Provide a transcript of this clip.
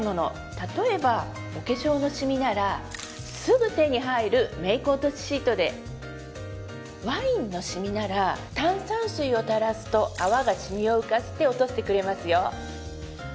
例えばお化粧のシミならすぐ手に入るメイク落としシートでワインのシミなら炭酸水を垂らすと泡がシミを浮かして落としてくれますよ